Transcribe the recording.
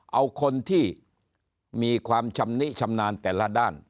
เอาคนที่มีความชำนิชำนาญแต่ละด้าน